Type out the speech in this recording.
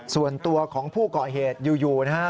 ส่วนตัวของผู้เกาะเหตุอยู่นะครับ